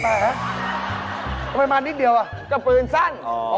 ทำไมมานิดเดียวกับปืนสั้น